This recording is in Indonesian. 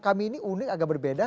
kami ini unik agak berbeda